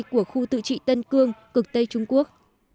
của khu tự trị tân cương cực tây trung quốc